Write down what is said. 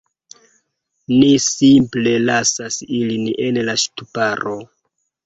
Ni simple lasas ilin en la ŝtuparo